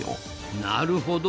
なるほど。